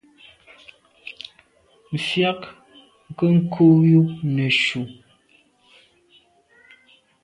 Mfùag nke nko yub neshu.